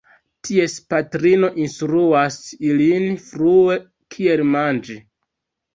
Ties patrino instruas ilin frue kiel manĝi.